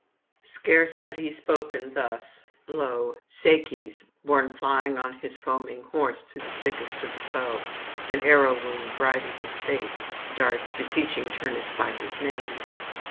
Scarce had he spoken thus; lo! Saces, borne flying on his foaming horse through the thickest of the foe, an arrow wound right in his face, darts, beseeching Turnus by his name.